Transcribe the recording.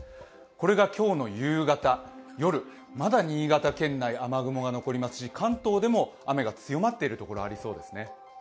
これが今日の夕方、夜、まだ新潟県内、雨雲が残りますし、関東でも雨が強まっているところがありそうですね。